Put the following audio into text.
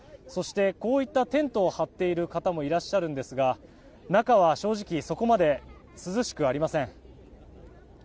そして、こういったテントを張っている方もいらっしゃるんですが中は正直そこまで涼しくありません。